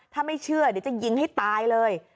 ถ้าไม่เชื่อเดี๋ยวจะยิงให้ตายเลย